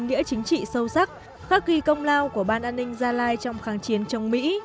công trình không chỉ là ý nghĩa chính trị sâu sắc khắc ghi công lao của ban an ninh gia lai trong kháng chiến trong mỹ